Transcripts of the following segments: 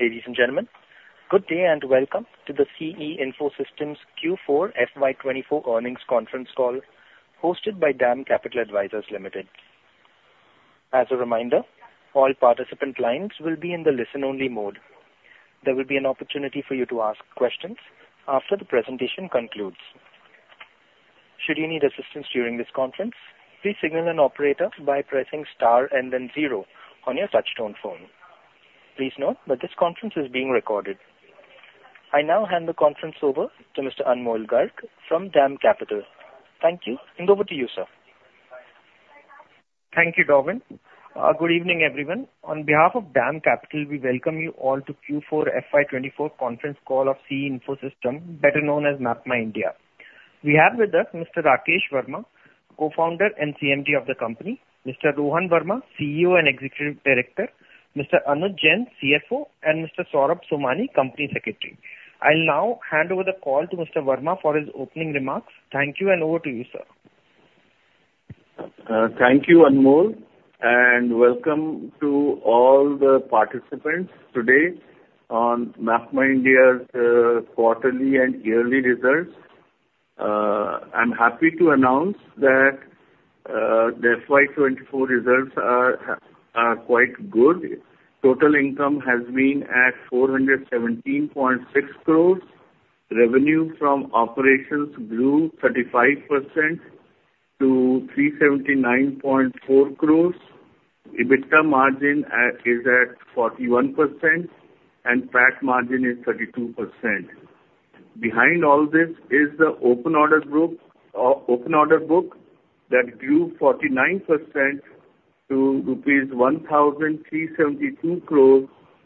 Ladies and gentlemen, good day, and welcome to the C.E. Info Systems Q4 FY24 earnings conference call, hosted by DAM Capital Advisors Limited. As a reminder, all participant lines will be in the listen-only mode. There will be an opportunity for you to ask questions after the presentation concludes. Should you need assistance during this conference, please signal an operator by pressing star and then zero on your touchtone phone. Please note that this conference is being recorded. I now hand the conference over to Mr. Anmol Garg from DAM Capital. Thank you, and over to you, sir. Thank you, Gavin. Good evening, everyone. On behalf of DAM Capital, we welcome you all to Q4 FY24 conference call of C.E. Info Systems, better known as MapmyIndia. We have with us Mr. Rakesh Verma, co-founder and CMD of the company; Mr. Rohan Verma, CEO and Executive Director; Mr. Anuj Jain, CFO; and Mr. Saurabh Somani, Company Secretary. I'll now hand over the call to Mr. Verma for his opening remarks. Thank you, and over to you, sir. Thank you, Anmol, and welcome to all the participants today on MapmyIndia's quarterly and yearly results. I'm happy to announce that the FY 2024 results are quite good. Total income has been at INR 417.6 crore. Revenue from operations grew 35% to INR 379.4 crore. EBITDA margin is at 41%, and PAT margin is 32%. Behind all this is the open order group, or open order book, that grew 49% to rupees 1,372 crore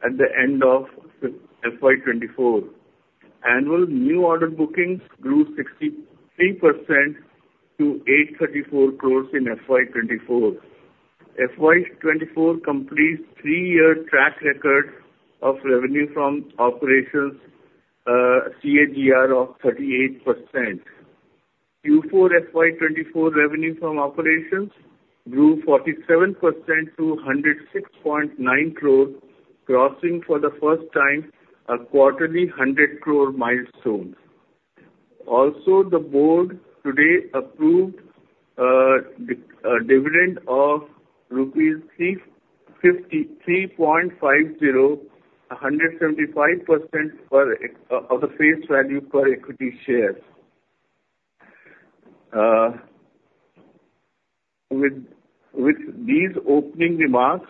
at the end of FY 2024. Annual new order bookings grew 63% to 834 crore in FY 2024. FY 2024 completes three-year track record of revenue from operations CAGR of 38%. Q4 FY 2024 revenue from operations grew 47% to 106.9 crore, crossing for the first time a quarterly 100 crore milestone. Also, the board today approved dividend of rupees 3.50, 175% of the face value per equity share. With these opening remarks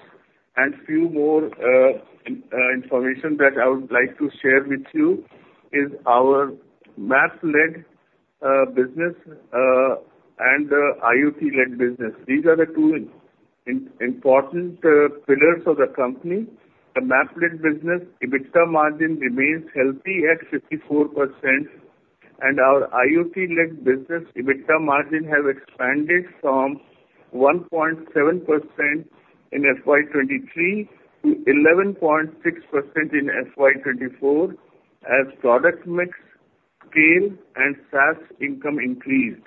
and few more information that I would like to share with you, is our maps-led business and IoT-led business. These are the two important pillars of the company. The maps-led business EBITDA margin remains healthy at 54%, and our IoT-led business EBITDA margin has expanded from 1.7% in FY 2023 to 11.6% in FY 2024, as product mix, scale, and SaaS income increased.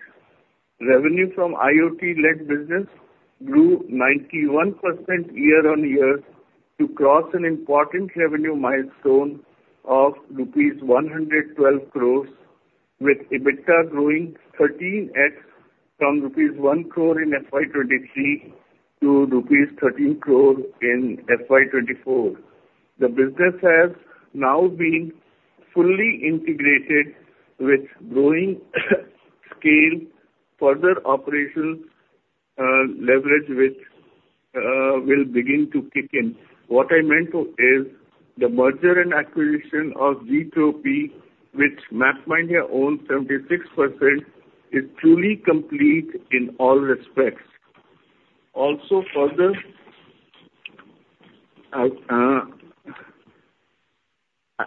Revenue from IoT-led business grew 91% year-on-year to cross an important revenue milestone of rupees 112 crore, with EBITDA growing 13x from rupees 1 crore in FY 2023 to rupees 13 crore in FY 2024. The business has now been fully integrated with growing scale, further operation, leverage, which, will begin to kick in. What I meant to is the merger and acquisition of Gtropy, which [inaudible] owns 76%, is truly complete in all respects. Also, further, I... I,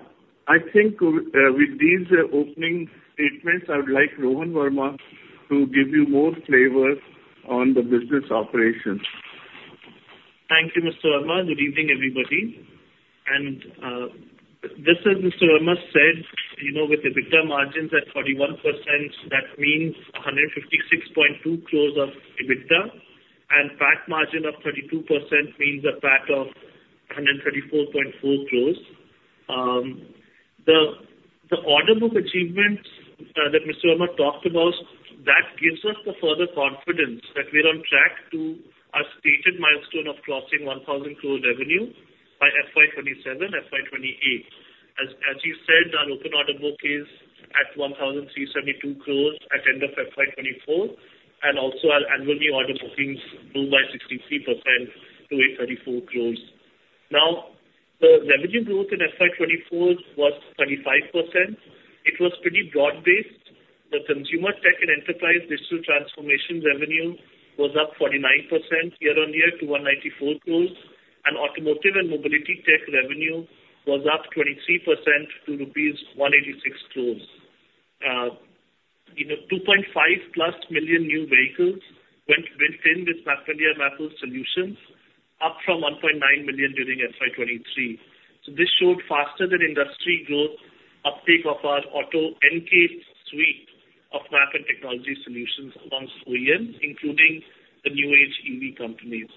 I think with, with these opening statements, I would like Rohan Verma to give you more flavor on the business operations. Thank you, Mr. Verma. Good evening, everybody. Just as Mr. Verma said, you know, with EBITDA margins at 41%, that means 156.2 crores of EBITDA, and PAT margin of 32% means a PAT of 134.4 crores. The order book achievements that Mr. Verma talked about give us the further confidence that we're on track to our stated milestone of crossing 1,000 crore revenue by FY 2027, FY 2028. As you said, our open order book is at 1,372 crores at end of FY 2024, and also our annual new order bookings grew by 63% to 834 crores. Now, the revenue growth in FY 2024 was 25%. It was pretty broad-based. The consumer tech and enterprise digital transformation revenue was up 49% year-over-year to 194 crores, and automotive and mobility tech revenue was up 23% to rupees 186 crores. You know, 2.5+ million new vehicles went, built in with MapmyIndia mapping solutions, up from 1.9 million during FY 2023. So this showed faster than industry growth uptake of our Auto NCASE suite technology solutions amongst OEMs, including the new age EV companies.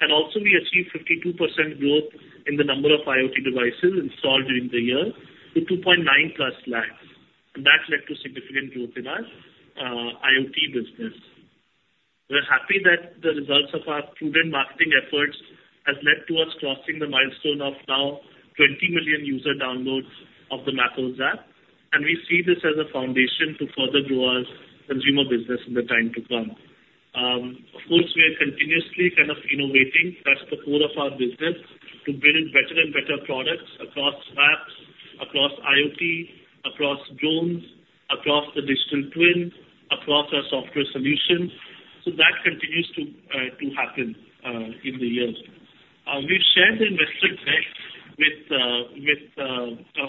And also we achieved 52% growth in the number of IoT devices installed during the year to 2.9+ lakhs, and that led to significant growth in our IoT business. We're happy that the results of our prudent marketing efforts has led to us crossing the milestone of now 20 million user downloads of the Mappls app, and we see this as a foundation to further grow our consumer business in the time to come. Of course, we are continuously kind of innovating. That's the core of our business, to build better and better products across maps, across IoT, across drones, across the Digital Twin, across our software solutions. So that continues to happen in the years. We've shared the investor deck with, with,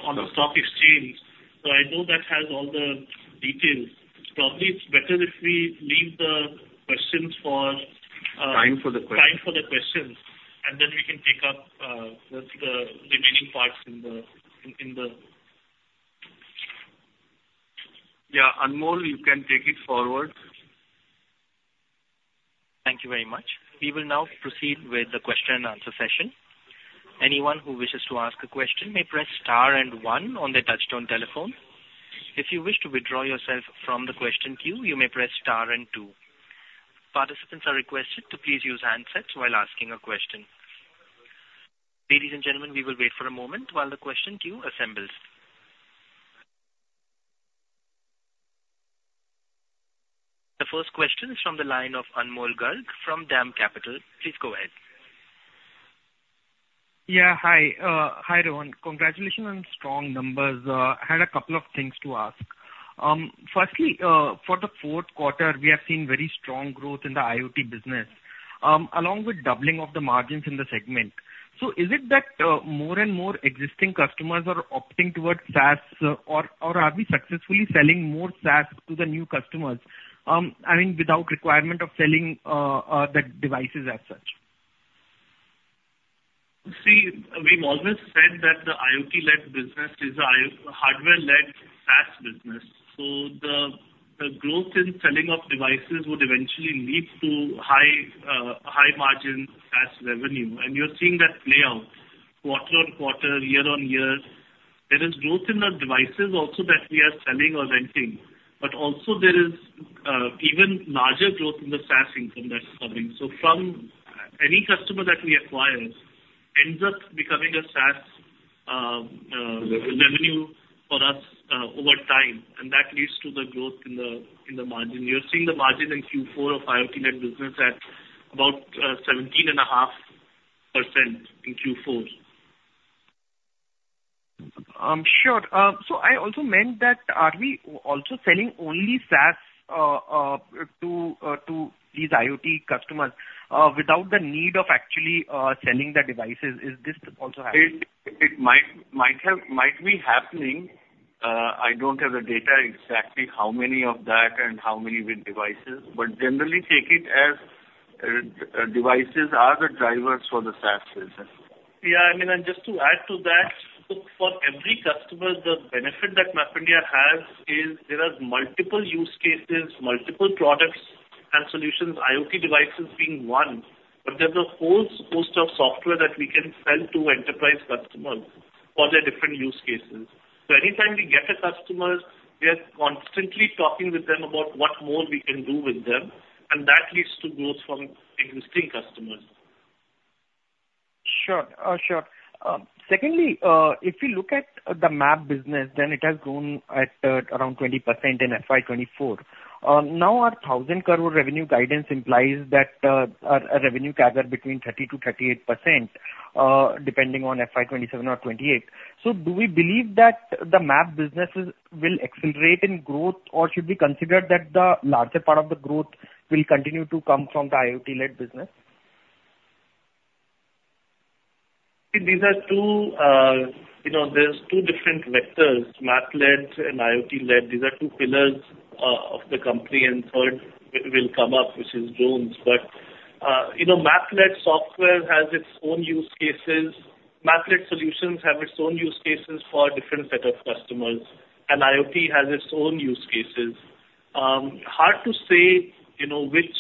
on the stock exchange, so I know that has all the details. Probably it's better if we leave the questions for Time for the questions. Time for the questions, and then we can take up the remaining parts in the... Yeah, Anmol, you can take it forward. Thank you very much. We will now proceed with the question and answer session. Anyone who wishes to ask a question may press star and one on their touchtone telephone. If you wish to withdraw yourself from the question queue, you may press star and two. Participants are requested to please use handsets while asking a question. Ladies and gentlemen, we will wait for a moment while the question queue assembles. The first question is from the line of Anmol Garg from DAM Capital. Please go ahead. Yeah. Hi, hi, Rohan. Congratulations on strong numbers. I had a couple of things to ask. Firstly, for the fourth quarter, we have seen very strong growth in the IoT business, along with doubling of the margins in the segment. So is it that, more and more existing customers are opting towards SaaS, or are we successfully selling more SaaS to the new customers, I mean, without requirement of selling, the devices as such? See, we've always said that the IoT-led business is an IoT-hardware-led SaaS business. So the growth in selling of devices would eventually lead to high, high-margin SaaS revenue, and you're seeing that play out quarter on quarter, year on year. There is growth in the devices also that we are selling or renting, but also there is even larger growth in the SaaS income that's coming. So from any customer that we acquire ends up becoming a SaaS revenue for us over time, and that leads to the growth in the margin. You're seeing the margin in Q4 of IoT-led business at about 17.5% in Q4. Sure. So I also meant that are we also selling only SaaS to these IoT customers without the need of actually selling the devices? Is this also happening? It might be happening. I don't have the data exactly how many of that and how many with devices, but generally take it as devices are the drivers for the SaaS business. Yeah, I mean, and just to add to that, look, for every customer, the benefit that MapmyIndia has is there are multiple use cases, multiple products and solutions, IoT devices being one. But there's a whole host of software that we can sell to enterprise customers for their different use cases. So anytime we get a customer, we are constantly talking with them about what more we can do with them, and that leads to growth from existing customers. Sure. Secondly, if you look at the map business, then it has grown at around 20% in FY 2024. Now, our 1,000 crore revenue guidance implies that our revenue growth between 30%-38%, depending on FY 2027 or 2028. So do we believe that the map businesses will accelerate in growth, or should we consider that the larger part of the growth will continue to come from the IoT-led business? These are two, you know, there's two different vectors, map-led and IoT-led. These are two pillars of the company, and third will come up, which is drones. But, you know, map-led software has its own use cases. Map-led solutions have its own use cases for a different set of customers, and IoT has its own use cases. Hard to say, you know, which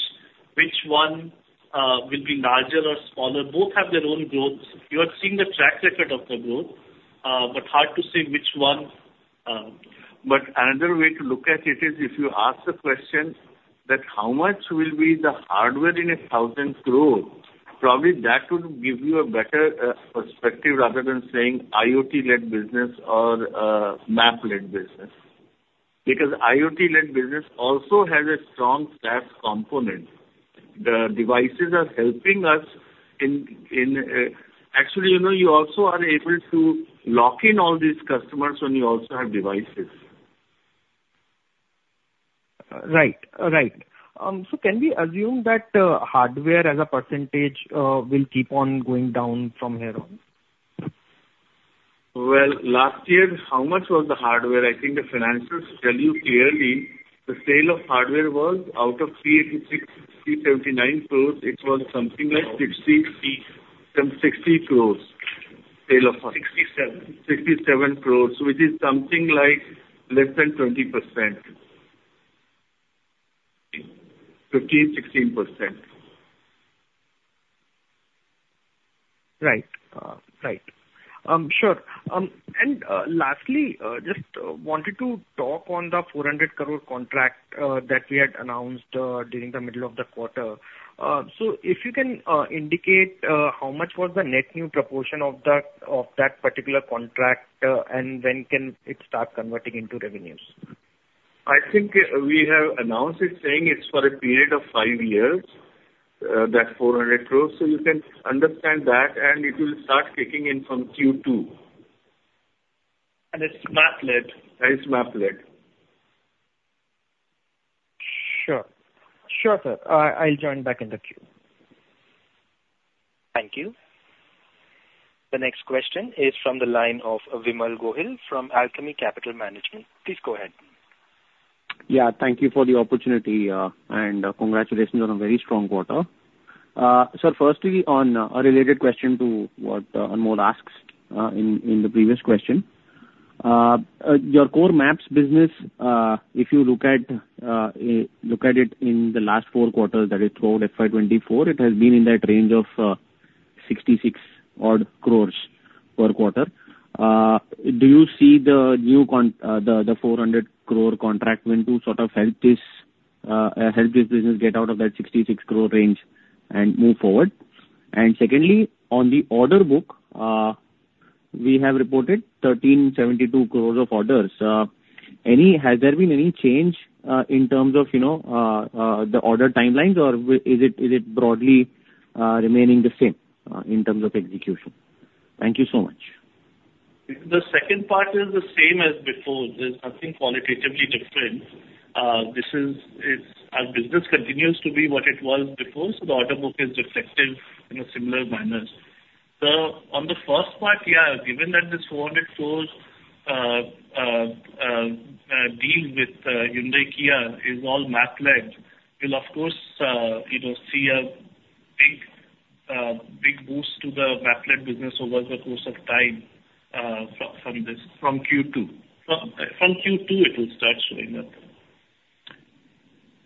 one will be larger or smaller. Both have their own growths. You are seeing the track record of the growth, but hard to say which one, But another way to look at it is if you ask the question that how much will be the hardware in a thousand growth, probably that would give you a better perspective rather than saying IoT-led business or map-led business. Because IoT-led business also has a strong SaaS component. The devices are helping us in... Actually, you know, you also are able to lock in all these customers when you also have devices. Right. Right. So can we assume that hardware as a percentage will keep on going down from here on? Well, last year, how much was the hardware? I think the financials tell you clearly the sale of hardware was out of 386, 379 crores. It was something like 60, some 60 crores. Sale of 67. 67 crores, which is something like less than 20%. 15, 16%. Right. Right. Sure. And lastly, just wanted to talk on the 400 crore contract that we had announced during the middle of the quarter. So if you can indicate how much was the net new proportion of that, of that particular contract, and when can it start converting into revenues? I think we have announced it, saying it's for a period of five years, that 400 crore, so you can understand that, and it will start kicking in from Q2. It's map-led? It's map-led. Sure. Sure, sir. I'll join back in the queue. Thank you. The next question is from the line of Vimal Gohil from Alchemy Capital Management. Please go ahead. Yeah, thank you for the opportunity, and congratulations on a very strong quarter. So firstly, on a related question to what Anmol asked, in the previous question. Your core maps business, if you look at it in the last four quarters, that is, throughout FY 2024, it has been in that range of 66 odd crores per quarter. Do you see the new contract, the 400 crore contract went to sort of help this business get out of that 66 crore range and move forward? And secondly, on the order book, we have reported 1,372 crores of orders. Any... Has there been any change, in terms of, you know, the order timelines, or is it, is it broadly, remaining the same, in terms of execution? Thank you so much. The second part is the same as before. There's nothing qualitatively different. This is, it's our business continues to be what it was before, so the order book is reflective in a similar manner. So on the first part, yeah, given that this 400 crore deal with Hyundai Kia is all map-led, we'll of course, you know, see a big, big boost to the map-led business over the course of time, from this, from Q2. From, from Q2, it will start showing up.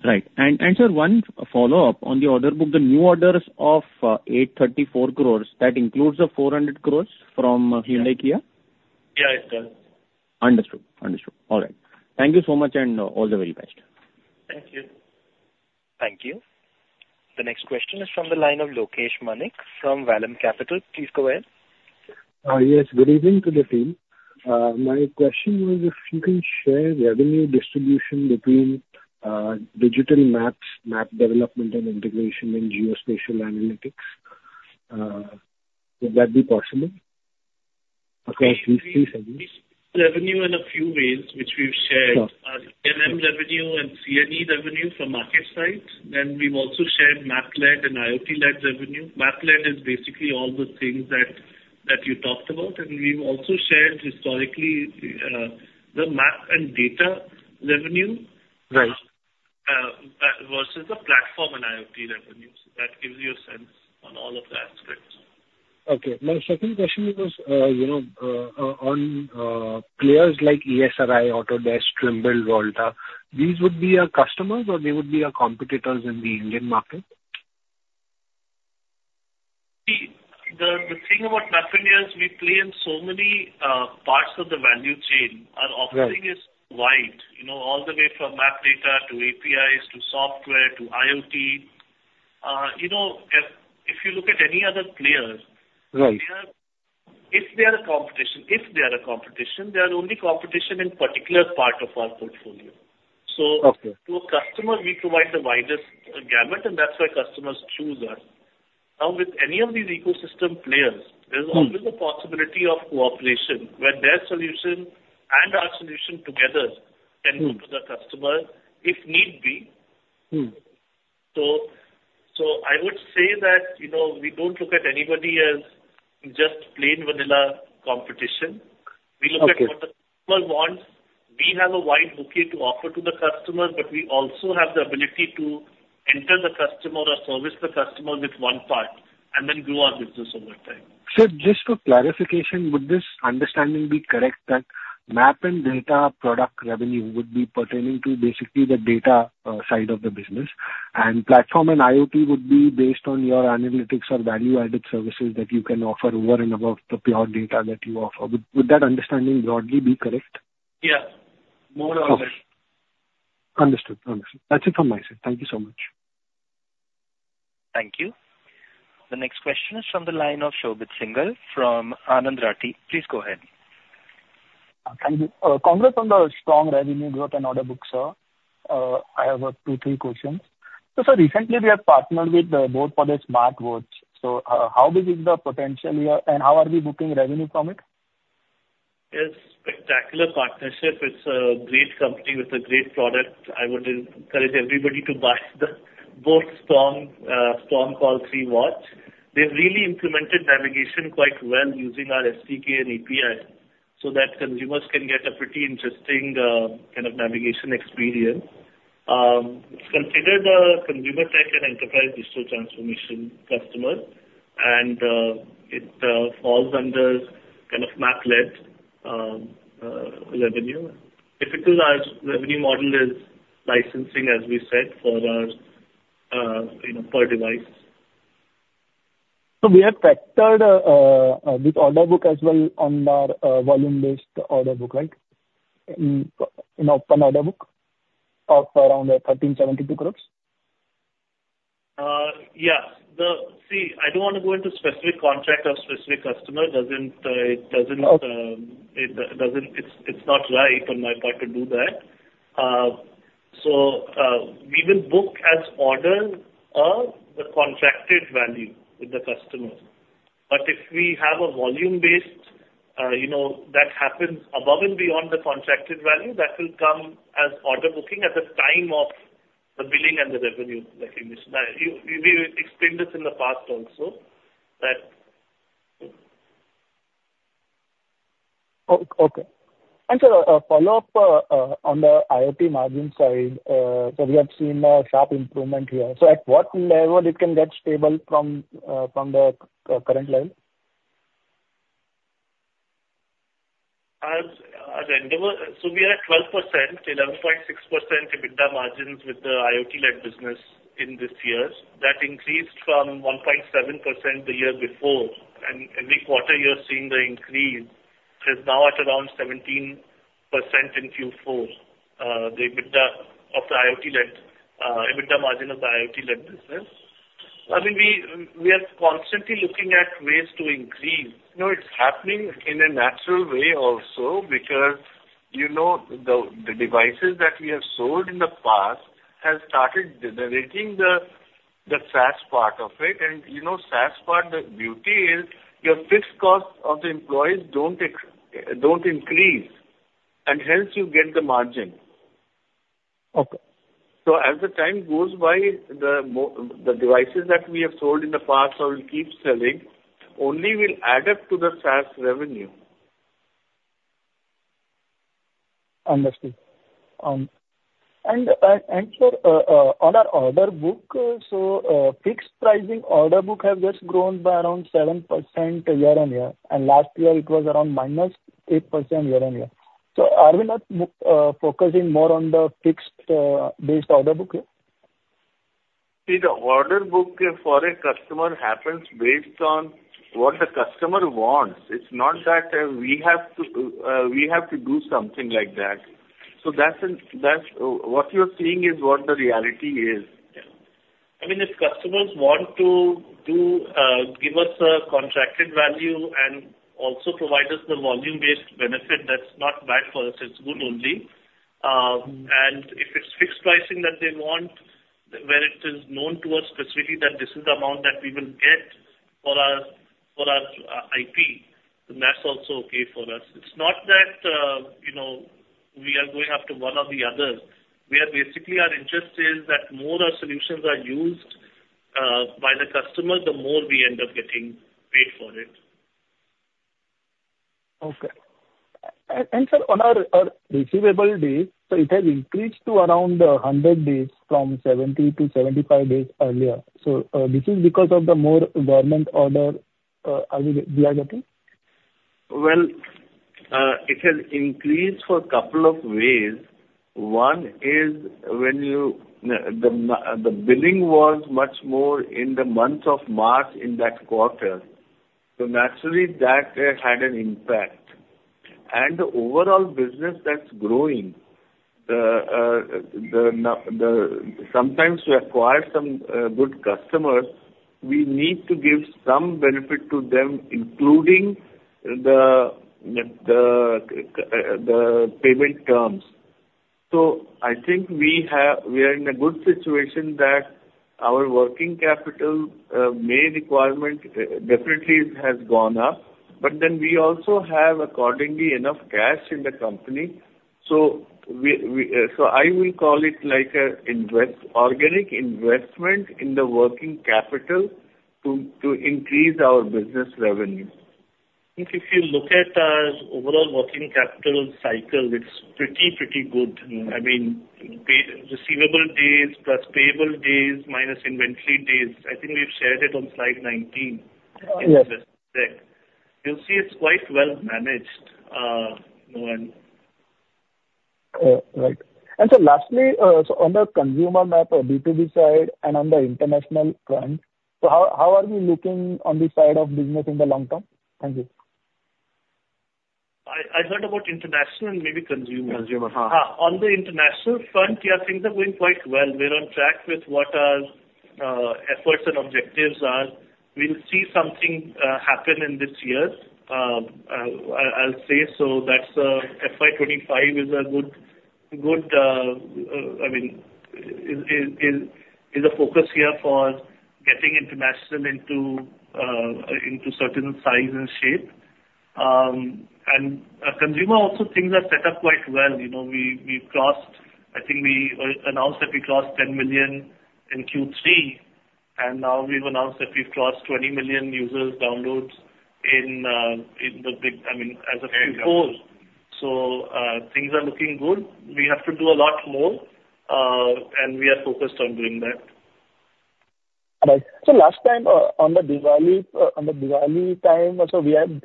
Right. And, and sir, one follow-up. On the order book, the new orders of 834 crore, that includes the 400 crore from Hyundai Kia? Yeah, it does. Understood. Understood. All right. Thank you so much, and all the very best. Thank you. Thank you. The next question is from the line of Lokesh Manik from Vallum Capital. Please go ahead. Yes, good evening to the team. My question was, if you can share the revenue distribution between digital maps, map development and integration and geospatial analytics, would that be possible across these three segments? Revenue in a few ways, which we've shared. Sure. MM revenue and CNE revenue from market side, then we've also shared map-led and IoT-led revenue. Map-led is basically all the things that you talked about, and we've also shared historically, the map and data revenue. Right ... versus the platform and IoT revenues. That gives you a sense on all of the aspects. Okay. My second question was, you know, on players like Esri, Autodesk, Trimble, Volta, these would be our customers, or they would be our competitors in the Indian market? See, the thing about MapmyIndia is we play in so many parts of the value chain. Right. Our offering is wide, you know, all the way from map data to APIs, to software, to IoT. You know, if you look at any other player- Right... they are, if they are a competition, they are only competition in particular part of our portfolio. Okay. To a customer, we provide the widest gamut, and that's why customers choose us. Now, with any of these ecosystem players- Mm... there's always a possibility of cooperation, where their solution and our solution together- Mm... can go to the customer if need be. Mm. So, I would say that, you know, we don't look at anybody as just plain vanilla competition. Okay. We look at what the customer wants. We have a wide bouquet to offer to the customer, but we also have the ability to enter the customer or service the customer with one part and then grow our business over time. Sir, just for clarification, would this understanding be correct, that map and data product revenue would be pertaining to basically the data side of the business, and platform and IoT would be based on your analytics or value-added services that you can offer over and above the pure data that you offer? Would that understanding broadly be correct? Yeah, more or less. Okay. Understood. Understood. That's it from my side. Thank you so much. Thank you. The next question is from the line of Shobhit Singhal from Anand Rathi. Please go ahead. Thank you. Congrats on the strong revenue growth and order book, sir. I have two, three questions. So, sir, recently we have partnered with boAt for their smart watch. So, how big is the potential here, and how are we booking revenue from it? It's a spectacular partnership. It's a great company with a great product. I would encourage everybody to buy the boAt Storm Call 3 watch. They've really implemented navigation quite well using our SDK and API, so that consumers can get a pretty interesting kind of navigation experience. It's considered a consumer type and enterprise digital transformation customer, and it falls under kind of map-led revenue. If it is, our revenue model is licensing, as we said, for our, you know, per device. So we have factored this order book as well on our volume-based order book, right? In open order book of around 1,372 crores? Yes. See, I don't want to go into specific contract or specific customer, doesn't, it doesn't- Okay. It doesn't, it's not right on my part to do that. So, we will book as order the contracted value with the customer. But if we have a volume-based, you know, that happens above and beyond the contracted value, that will come as order booking at the time of the billing and the revenue recognition. Now, you, we've explained this in the past also, that- Okay. And sir, a follow-up on the IoT margin side, so we have seen a sharp improvement here. So at what level it can get stable from the current level? As intended, so we are at 12%, 11.6% EBITDA margins with the IoT-led business in this year. That increased from 1.7% the year before, and every quarter you're seeing the increase. It is now at around 17% in Q4, the EBITDA of the IoT-led, EBITDA margin of the IoT-led business. I mean, we, we are constantly looking at ways to increase. You know, it's happening in a natural way also, because, you know, the, the devices that we have sold in the past have started generating the, the SaaS part of it. And, you know, SaaS part, the beauty is, your fixed cost of the employees don't increase, and hence you get the margin. Okay. As the time goes by, the devices that we have sold in the past or will keep selling only will add up to the SaaS revenue. Understood. And, and sir, on our order book, so, fixed pricing order book has just grown by around 7% year-on-year, and last year it was around -8% year-on-year. So are we not, focusing more on the fixed, based order book here? See, the order book for a customer happens based on what the customer wants. It's not that, we have to, we have to do something like that. So that's, that's... What you're seeing is what the reality is. I mean, if customers want to give us a contracted value and also provide us the volume-based benefit, that's not bad for us, it's good only. And if it's fixed pricing that they want, where it is known to us specifically, that this is the amount that we will get for our IP, then that's also okay for us. It's not that, you know, we are going after one or the other. We are basically, our interest is that more our solutions are used by the customer, the more we end up getting paid for it. Okay. And sir, on our receivable days, so it has increased to around 100 days from 70 to 75 days earlier. So, this is because of the more government order. I mean, is that okay? Well, it has increased for a couple of ways. One is when you, the billing was much more in the month of March in that quarter, so naturally, that had an impact. And the overall business that's growing. Sometimes we acquire some good customers, we need to give some benefit to them, including the payment terms. So I think we are in a good situation that our working capital requirement definitely has gone up, but then we also have accordingly enough cash in the company. So I will call it like an organic investment in the working capital to increase our business revenue. If you look at our overall working capital cycle, it's pretty, pretty good. I mean, paid, receivable days, plus payable days, minus inventory days. I think we've shared it on slide 19. Yes. You'll see it's quite well managed, you know, and... Right. And so lastly, so on the consumer MAP or B2B side and on the international front, so how, how are we looking on this side of business in the long term? Thank you. I heard about international and maybe consumer. Consumer, huh. On the international front, yeah, things are going quite well. We're on track with what our efforts and objectives are. We'll see something happen in this year. I'll say, so that's, FY 2025 is a good focus here for getting international into certain size and shape. And consumer also, things are set up quite well. You know, we crossed. I think we announced that we crossed 10 million in Q3, and now we've announced that we've crossed 20 million user downloads in the app, I mean, as of Q4. So things are looking good. We have to do a lot more, and we are focused on doing that. All right. So last time, on the Diwali time, also, we had.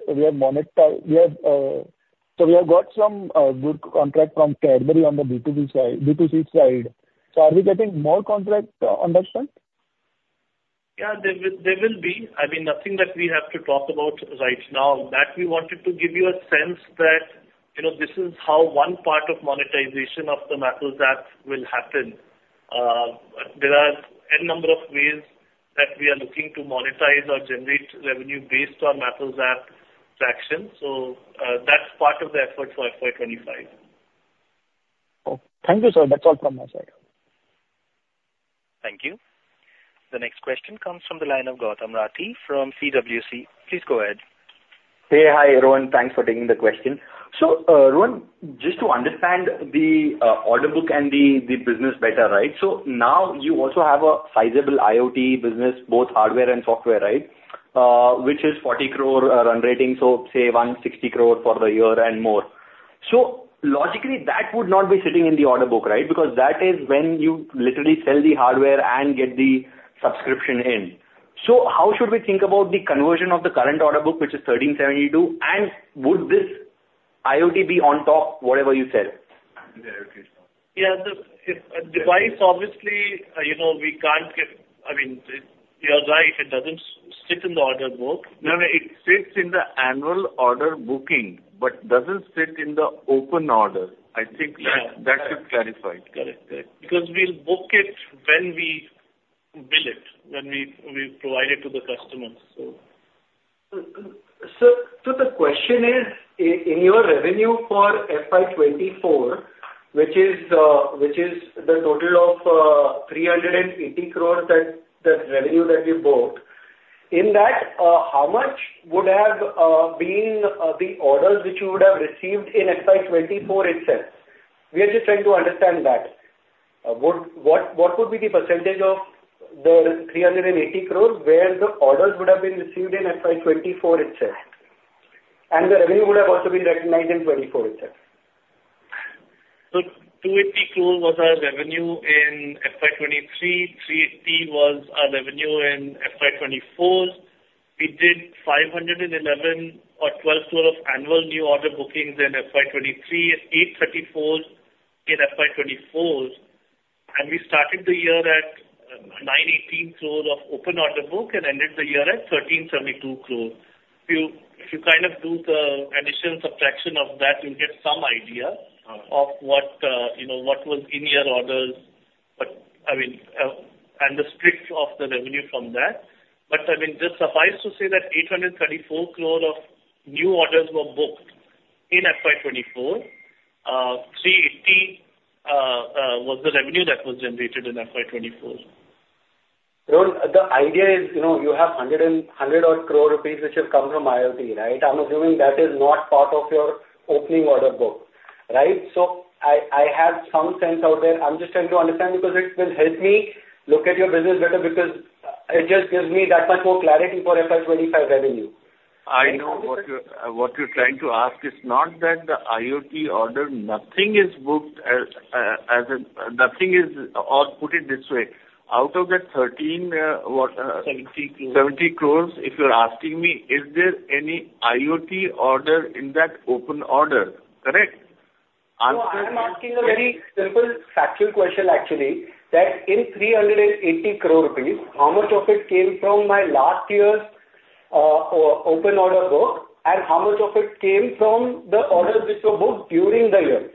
So we have got some good contract from Cadbury on the B2B side, B2C side. So are we getting more contract on that front? Yeah, there will, there will be. I mean, nothing that we have to talk about right now. That we wanted to give you a sense that, you know, this is how one part of monetization of the Maps app will happen. There are n number of ways that we are looking to monetize or generate revenue based on Maps app traction. So, that's part of the effort for FY 25. Oh, thank you, sir. That's all from my side. Thank you. The next question comes from the line of Gautam Rathi from CWC. Please go ahead. Hey. Hi, Rohan. Thanks for taking the question. So, Rohan, just to understand the order book and the business better, right? So now you also have a sizable IoT business, both hardware and software, right? Which is 40 crore run rate, so say 160 crore for the year and more. So logically, that would not be sitting in the order book, right? Because that is when you literally sell the hardware and get the subscription in. So how should we think about the conversion of the current order book, which is 1,372 crore, and would this IoT be on top, whatever you sell? Yeah, if a device, obviously, you know, we can't get... I mean, you're right, it doesn't sit in the order book. No, no, it sits in the annual order booking, but doesn't sit in the open order. I think that- Yeah. that should clarify it. Correct. Correct. Because we'll book it when we bill it, when we provide it to the customer, so. Sir, so the question is, in your revenue for FY 2024, which is, which is the total of, 380 crores, that, that revenue that you booked, in that, how much would have been, the orders which you would have received in FY 2024 itself? We are just trying to understand that. Would what would be the percentage of the 380 crores, where the orders would have been received in FY 2024 itself, and the revenue would have also been recognized in 2024 itself? So 280 crore was our revenue in FY 2023, 380 crore was our revenue in FY 2024. We did 511 or 512 crore of annual new order bookings in FY 2023, 834 in FY 2024. And we started the year at, nine eighteen crores of open order book and ended the year at 1,372 crore. If you, if you kind of do the addition, subtraction of that, you'll get some idea- Uh-huh. -of what, you know, what was in your orders, but I mean, and the split of the revenue from that. But, I mean, just suffice to say that 834 crore of new orders were booked in FY 2024. Three eighty was the revenue that was generated in FY 2024. Rohan, the idea is, you know, you have 100 and 100-odd crore, which has come from IoT, right? I'm assuming that is not part of your opening order book, right? So I have some sense out there. I'm just trying to understand, because it will help me look at your business better, because it just gives me that much more clarity for FY 2025 revenue. I know what you're, what you're trying to ask. It's not that the IoT order, nothing is booked as, as in, nothing is... Or put it this way, out of the 13, what, Seventy crores. 70 crore, if you're asking me, is there any IoT order in that open order? Correct? No, I'm asking a very simple factual question, actually, that in 380 crore rupees, how much of it came from my last year's open order book, and how much of it came from the orders which were booked during the year?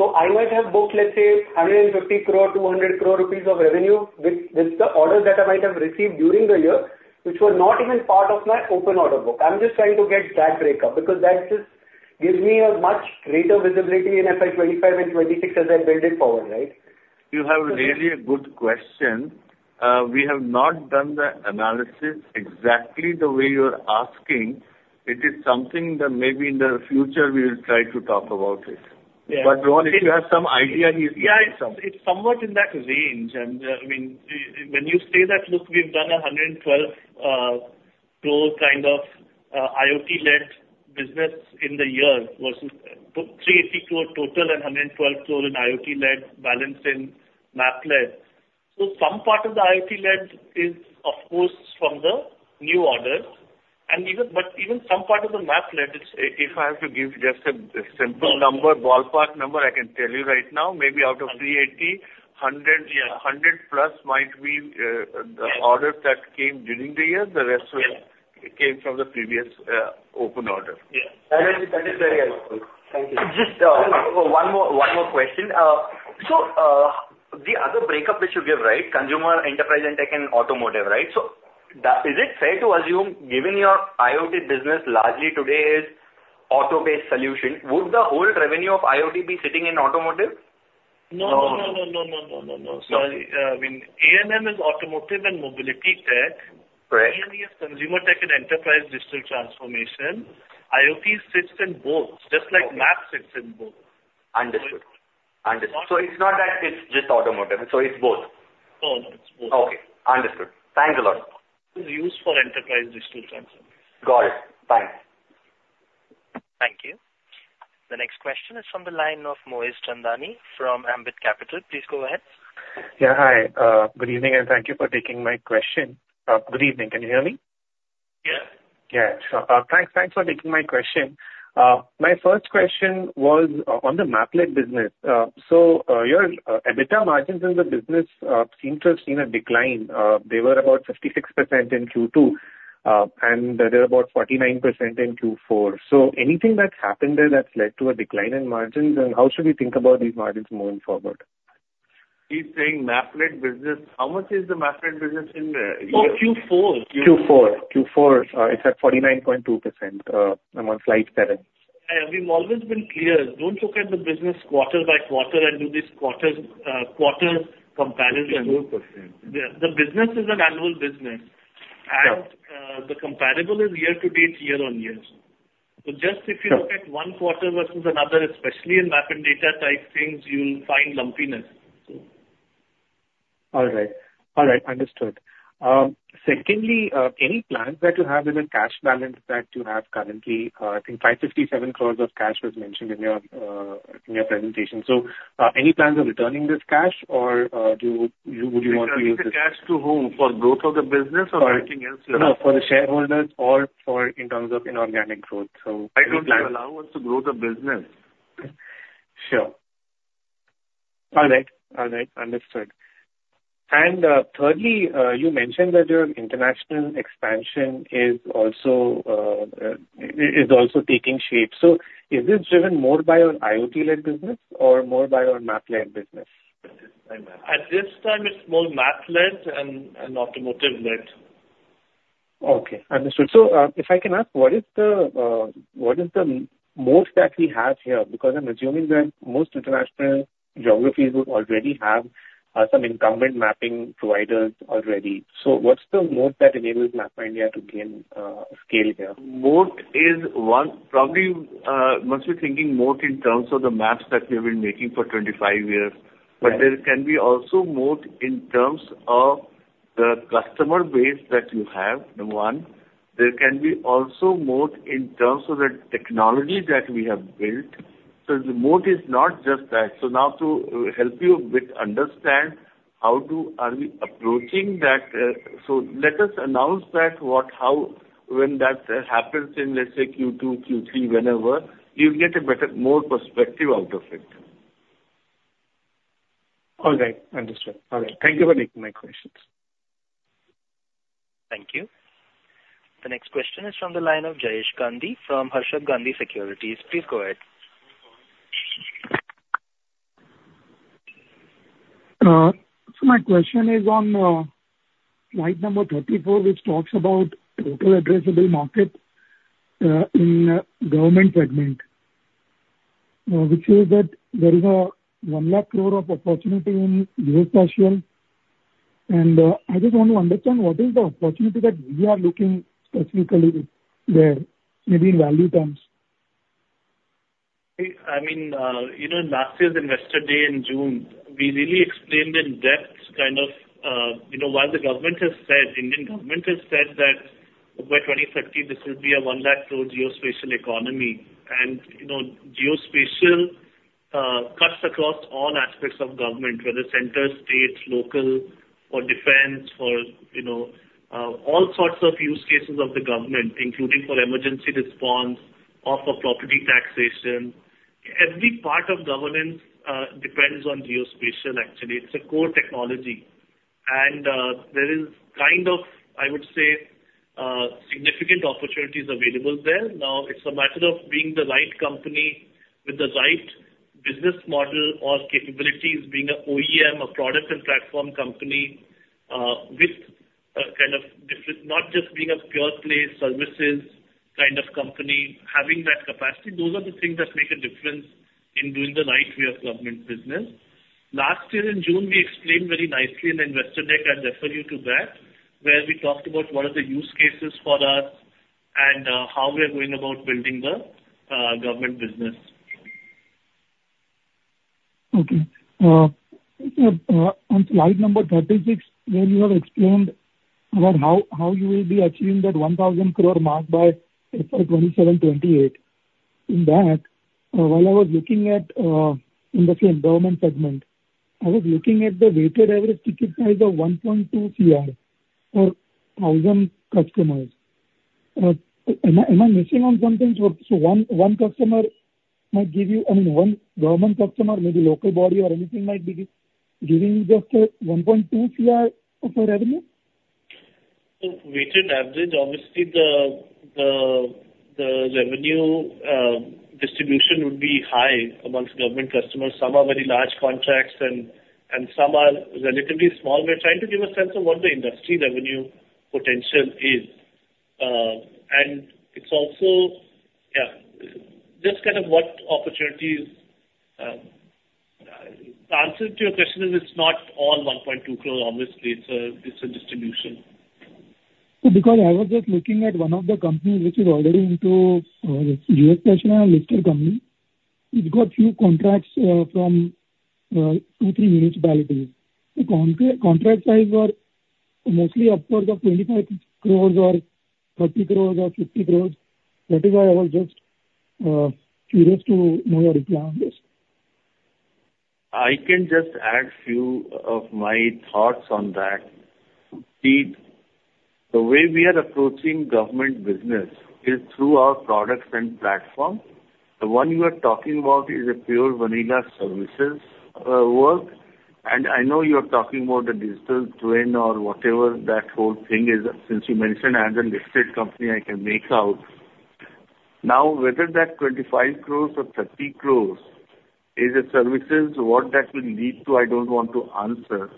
So I might have booked, let's say, 150 crore, 200 crore rupees of revenue with the orders that I might have received during the year, which were not even part of my open order book. I'm just trying to get that breakup, because that just gives me a much greater visibility in FY 2025 and 2026 as I build it forward, right? You have really a good question. We have not done the analysis exactly the way you're asking. It is something that maybe in the future we will try to talk about it. Yeah. But Rohan, if you have some idea, you- Yeah, it's somewhat in that range. And, I mean, when you say that, look, we've done 112 crore kind of IoT-led business in the year versus 380 crore total and 112 crore in IoT-led, balance in map-led. So some part of the IoT-led is, of course, from the new order, and even... But even some part of the map-led, it's- If I have to give just a simple number, ballpark number, I can tell you right now, maybe out of 380, 100- Yeah. 100 plus might be the orders that came during the year. Yeah. The rest came from the previous, open order. Yeah. That is, that is very helpful. Thank you. Just, one more, one more question. So, the other breakup which you gave, right? Consumer, enterprise, and tech, and automotive, right? So, is it fair to assume, given your IoT business largely today is auto-based solution, would the whole revenue of IoT be sitting in automotive? No. No. No, no, no, no, no, no, no. Sorry, I mean, AMM is Automotive and Mobility Tech. Correct. C&E is Consumer Tech and Enterprise Digital Transformation. IoT sits in both, just like Map sits in both. Understood. ...So it's not that it's just automotive, so it's both? Oh, no, it's both. Okay, understood. Thanks a lot. It's used for enterprise digital transformation. Got it. Thanks. Thank you. The next question is from the line of Moez Chandani from Ambit Capital. Please go ahead. Yeah, hi. Good evening, and thank you for taking my question. Good evening. Can you hear me? Yes. Yeah. Thanks, thanks for taking my question. My first question was, on the Map-led business. So, your EBITDA margins in the business, seems to have seen a decline. They were about 56% in Q2, and they're about 49% in Q4. So anything that's happened there that's led to a decline in margins, and how should we think about these margins moving forward? He's saying MapmyIndia business. How much is the MapmyIndia business in Q4? Q4. Q4, it's at 49.2%, on slide seven. We've always been clear. Don't look at the business quarter by quarter and do this quarter, quarter comparison. Four percent. Yeah. The business is an annual business. Sure. The comparable is year to date, year on year. So just if you- Sure... look at one quarter versus another, especially in map and data type things, you'll find lumpiness. All right. All right, understood. Secondly, any plans that you have in the cash balance that you have currently? I think 557 crores of cash was mentioned in your presentation. So, any plans on returning this cash or would you want to use this- Return the cash to whom? For growth of the business or anything else? No, for the shareholders or for in terms of inorganic growth. So- I don't allow us to grow the business. Sure. All right. All right, understood. And, thirdly, you mentioned that your international expansion is also taking shape. So is this driven more by your IoT-led business or more by your Map-led business? At this time, it's more Map-led and automotive-led. Okay, understood. So, if I can ask, what is the moat that we have here? Because I'm assuming that most international geographies would already have some incumbent mapping providers already. So what's the moat that enables MapmyIndia to gain scale here? Moat is one... Probably, you must be thinking moat in terms of the maps that we've been making for 25 years. Right. But there can be also moat in terms of the customer base that you have, number one. There can be also moat in terms of the technology that we have built. So the moat is not just that. So now to, help you a bit understand how to, are we approaching that, so let us announce that, what, how, when that happens in, let's say, Q2, Q3, whenever, you'll get a better, more perspective out of it. All right, understood. All right. Thank you for taking my questions. Thank you. The next question is from the line of Jayesh Gandhi from Harshad Gandhi Securities. Please go ahead. So my question is on slide number 34, which talks about total addressable market in government segment. Which is that there is 100,000 crore of opportunity in geospatial. And I just want to understand what is the opportunity that we are looking specifically there, maybe in value terms? I mean, you know, last year's Investor Day in June, we really explained in depth, kind of, you know, while the government has said, Indian government has said that by 2030 this will be a 100,000 crore geospatial economy. And, you know, geospatial cuts across all aspects of government, whether central, state, local or defense or, you know, all sorts of use cases of the government, including for emergency response, or for property taxation. Every part of governance depends on geospatial actually. It's a core technology, and there is kind of, I would say, significant opportunities available there. Now, it's a matter of being the right company with the right business model or capabilities, being a OEM, a product and platform company, with a kind of different... Not just being a pure play services kind of company, having that capacity. Those are the things that make a difference in doing the right way of government business. Last year in June, we explained very nicely in Investor Day. I'd refer you to that, where we talked about what are the use cases for us and how we are going about building the government business. Okay. On slide number 36, where you have explained about how you will be achieving that 1,000 crore mark by FY 2027-28. In that, while I was looking at, in the same government segment, I was looking at the weighted average ticket price of 1.2 crore per 1,000 customers. Am I missing on something? So, one customer might give you, I mean, one government customer, maybe local body or anything, might be giving you just a 1.2 crore of revenue? So weighted average, obviously the revenue distribution would be high amongst government customers. Some are very large contracts and some are relatively small. We're trying to give a sense of what the industry revenue potential is. And it's also, yeah, just kind of what opportunities. The answer to your question is it's not all 1.2 crore. Obviously, it's a distribution. ... So because I was just looking at one of the companies which is already into, U.S.-listed company. It got few contracts, from, two, three municipalities. The contract size were mostly upwards of 25 crore or 30 crore or 50 crore. That is why I was just, curious to know your reply on this. I can just add a few of my thoughts on that. See, the way we are approaching government business is through our products and platform. The one you are talking about is a pure vanilla services, work, and I know you are talking about the digital twin or whatever that whole thing is, since you mentioned as a listed company, I can make out. Now, whether that 25 crores or 30 crores is a services, what that will lead to, I don't want to answer.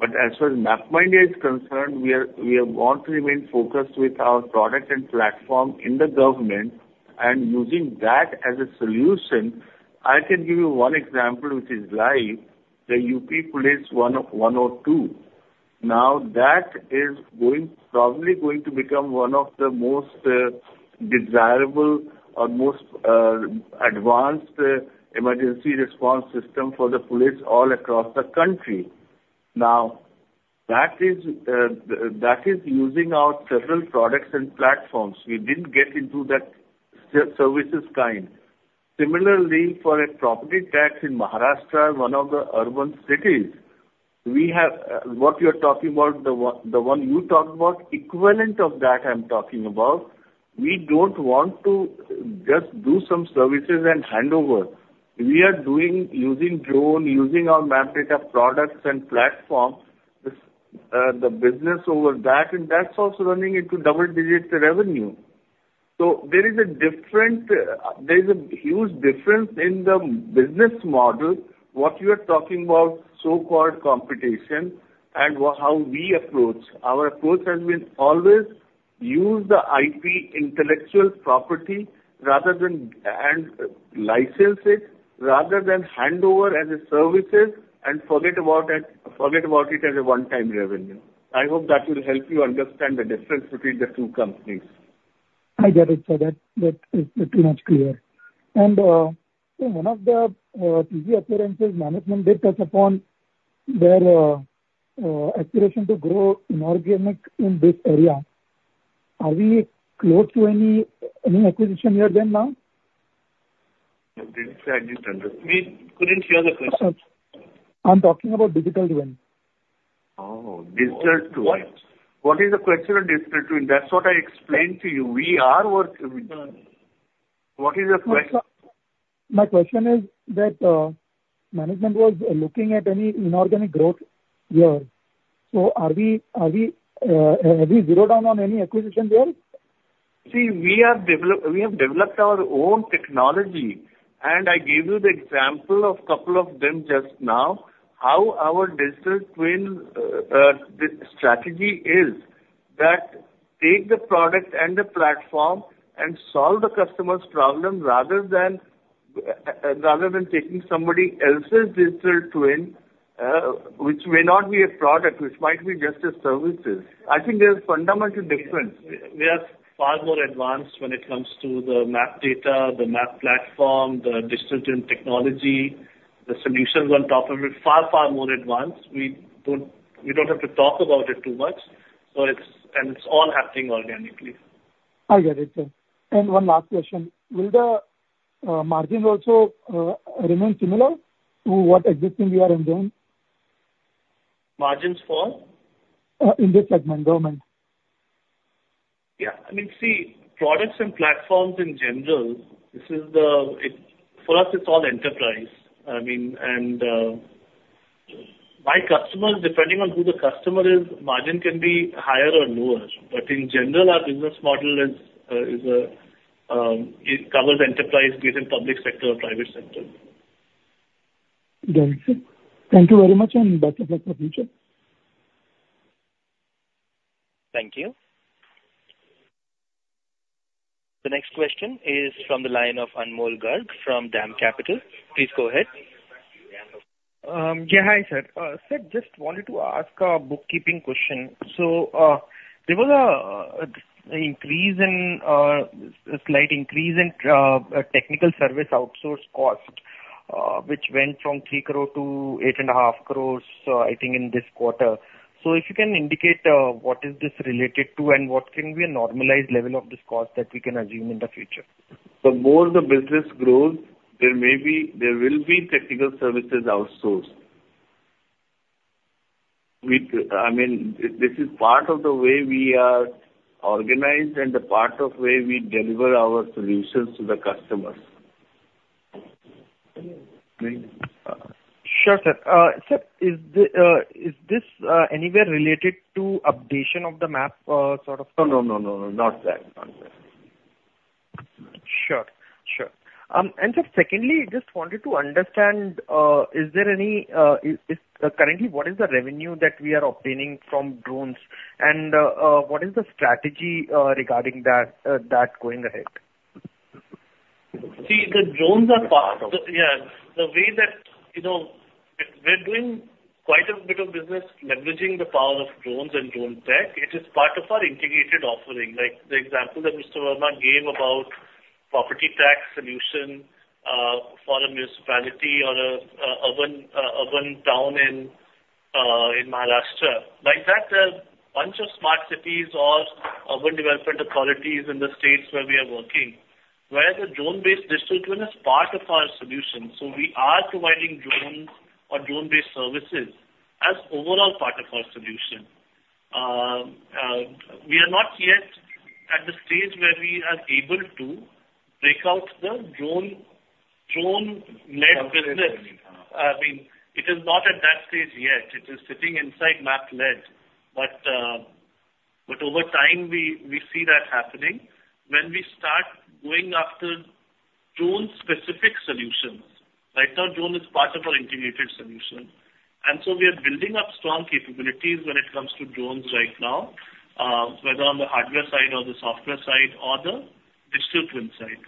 But as far as MapmyIndia is concerned, we are, we have want to remain focused with our product and platform in the government and using that as a solution. I can give you one example, which is live, the UP Police 112. Now, that is going, probably going to become one of the most, desirable or most, advanced, emergency response system for the police all across the country. Now, that is, that is using our several products and platforms. We didn't get into that services kind. Similarly, for a property tax in Maharashtra, one of the urban cities, we have, what you're talking about, the one, the one you talked about, equivalent of that, I'm talking about. We don't want to just do some services and hand over. We are doing using drone, using our map data products and platforms, this, the business over that, and that's also running into double-digit revenue. So there is a different, there is a huge difference in the business model, what you are talking about, so-called competition and how we approach. Our approach has been always use the IP, intellectual property, rather than, and license it rather than hand over as a service and forget about it, forget about it as a one-time revenue. I hope that will help you understand the difference between the two companies. I get it, sir. That, that is pretty much clear. And, in one of the, TV appearances, management did touch upon their, aspiration to grow inorganic in this area. Are we close to any, any acquisition here then now? I didn't exactly understand that. We couldn't hear the question. I'm talking about Digital Twin. Oh, Digital Twin. What is the question on Digital Twin? That's what I explained to you. We are working with... What is the question? My question is that, management was looking at any inorganic growth here. So are we, are we, have we zeroed down on any acquisition there? See, we have developed our own technology, and I gave you the example of couple of them just now, how our digital twin strategy is that take the product and the platform and solve the customer's problem rather than rather than taking somebody else's digital twin, which may not be a product, which might be just a services. I think there's a fundamental difference. We are far more advanced when it comes to the map data, the map platform, the digital twin technology, the solutions on top of it, far, far more advanced. We don't, we don't have to talk about it too much, so it's, and it's all happening organically. I get it, sir. One last question: Will the margins also remain similar to what existing we are in doing? Margins for? In this segment, government. Yeah. I mean, see, products and platforms in general, this is for us, it's all enterprise. I mean, my customers, depending on who the customer is, margin can be higher or lower. But in general, our business model is, it covers enterprise, be it in public sector or private sector. Got it, sir. Thank you very much, and best of luck for the future. Thank you. The next question is from the line of Anmol Garg from DAM Capital. Please go ahead. Yeah. Hi, sir. Sir, just wanted to ask a bookkeeping question. So, there was a slight increase in technical service outsource cost, which went from 3 crore to 8.5 crores, I think in this quarter. So if you can indicate what is this related to, and what can be a normalized level of this cost that we can assume in the future? The more the business grows, there may be... there will be technical services outsourced. We, I mean, this is part of the way we are organized and the part of way we deliver our solutions to the customers. Sure, sir. Sir, is this anywhere related to updation of the map, sort of? No, no, no, no, not that. Not that. Sure. Sure. Sir, secondly, just wanted to understand, currently, what is the revenue that we are obtaining from drones, and what is the strategy regarding that going ahead?... See, the drones are part of, yeah, the way that, you know, we're doing quite a bit of business leveraging the power of drones and drone tech, it is part of our integrated offering. Like the example that Mr. Verma gave about property tax solution for a municipality or a urban town in Maharashtra. Like that, there are a bunch of smart cities or urban development authorities in the states where we are working, where the drone-based distribution is part of our solution. So we are providing drones or drone-based services as overall part of our solution. We are not yet at the stage where we are able to break out the drone-led business. I mean, it is not at that stage yet. It is sitting inside map-led, but over time, we see that happening. When we start going after drone-specific solutions. Right now, drone is part of our integrated solution, and so we are building up strong capabilities when it comes to drones right now, whether on the hardware side or the software side or the distribution side.